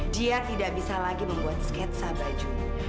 dia tidak bisa lagi membuat sketsa baju